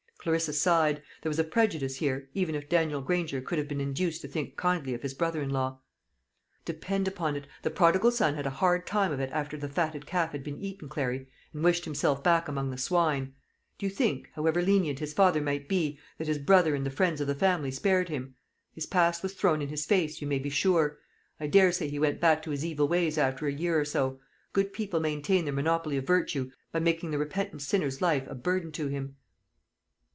Clarissa sighed; there was a prejudice here, even if Daniel Granger could have been induced to think kindly of his brother in law. "Depend upon it, the Prodigal Son had a hard time of it after the fatted calf had been eaten, Clary, and wished himself back among the swine. Do you think, however lenient his father might be, that his brother and the friends of the family spared him? His past was thrown in his face, you may be sure. I daresay he went back to his evil ways after a year or so. Good people maintain their monopoly of virtue by making the repentant sinner's life a burden to him."